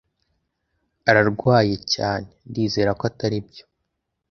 "Ararwaye cyane?" "Ndizera ko atari byo."